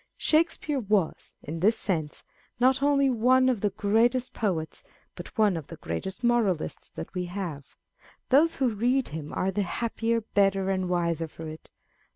Shakespeare was, in this sense, not only one of the greatest poets, but one of the greatest moralists that we have. Those who read him are the happier, better, and wiser for it.